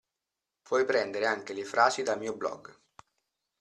Puoi prendere anche le frasi dal mio blog.